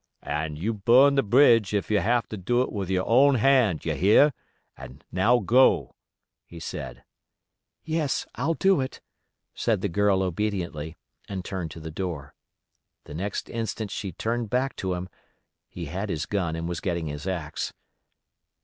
"And you burn the bridge if you have to do it with your own hand, you hear—and now go," he said. "Yes—I'll do it," said the girl obediently and turned to the door. The next instant she turned back to him: he had his gun and was getting his axe.